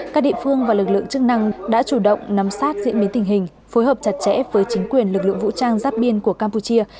các địa phương và lực lượng chức năng đã chủ động nắm sát diễn biến tình hình phối hợp chặt chẽ với chính quyền lực lượng vũ trang giáp biên của campuchia